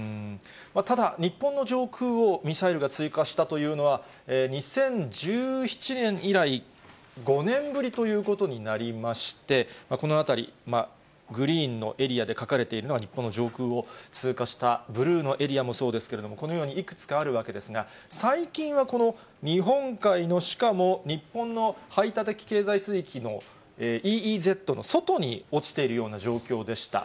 ただ、日本の上空をミサイルが通過したというのは、２０１７年以来、５年ぶりということになりまして、この辺り、グリーンのエリアで書かれているのが、日本の上空を通過した、ブルーのエリアもそうですけれども、このようにいくつかあるわけですが、最近はこの日本海の、しかも日本の排他的経済水域のＥＥＺの外に落ちているような状況でした。